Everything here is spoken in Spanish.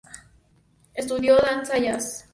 Estudio Danza Jazz.